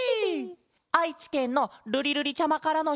あいちけんのるりるりちゃまからのしつもんだケロ。